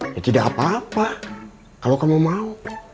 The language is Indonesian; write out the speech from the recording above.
ya tidak apa apa kalau kamu mau